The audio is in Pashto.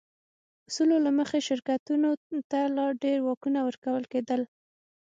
اصولو له مخې شرکتونو ته لا ډېر واکونه ورکول کېده.